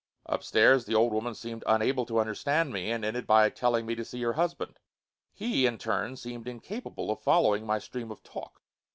Upstairs the old woman seemed unable to understand me and ended by telling me to see her husband. He, in turn, seemed incapable of following my stream of talk.